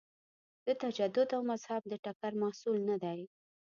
د تجدد او مذهب د ټکر محصول نه دی.